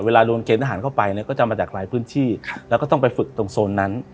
รวมเกณฑหารเข้าไปเนี่ยก็จะมาจากหลายพื้นที่แล้วก็ต้องไปฝึกตรงโซนนั้น